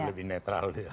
lebih netral ya